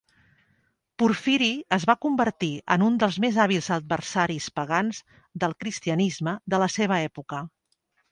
Porfiri es va convertir en un dels més hàbils adversaris pagans del cristianisme de la seva època.